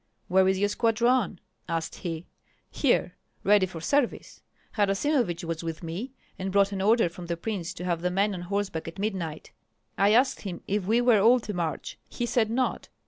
"Where is your squadron?" asked he. "Here, ready for service. Harasimovich was with me, and brought an order from the prince to have the men on horseback at midnight. I asked him if we were all to march; he said not.